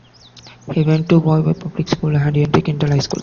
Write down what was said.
He went to Woy Woy Public School and Henry Kendall High School.